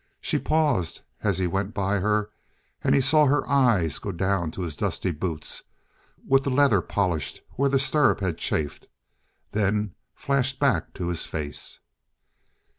She paused as he went by her and he saw her eyes go down to his dusty boots, with the leather polished where the stirrup had chafed, then flashed back to his face.